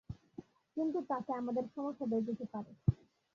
কিন্তু তাতে আমাদের সমস্যা বেড়ে যেতে পারে।